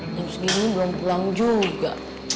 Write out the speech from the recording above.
jam segini belum pulang juga